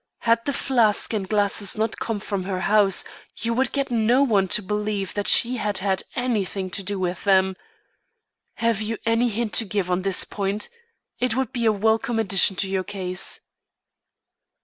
Had the flask and glasses not come from her house, you would get no one to believe that she had had anything to do with them. Have you any hint to give on this point? It would be a welcome addition to our case."